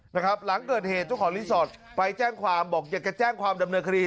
หลังเกิดเหตุเจ้าของรีสอร์ทไปแจ้งความบอกอยากจะแจ้งความดำเนินคดี